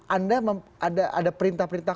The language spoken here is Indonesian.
anda ada perintah perintah